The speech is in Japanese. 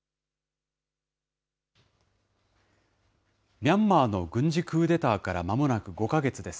ミャンマーの軍事クーデターからまもなく５か月です。